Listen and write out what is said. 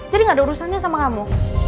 jadi gak ada urusannya sama kamu